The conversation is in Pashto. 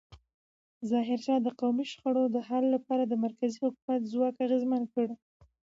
ظاهرشاه د قومي شخړو د حل لپاره د مرکزي حکومت ځواک اغېزمن کړ.